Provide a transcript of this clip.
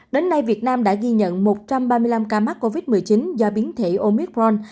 đến nay việt nam đã ghi nhận một trăm ba mươi năm ca mắc covid một mươi chín do biến thể omicron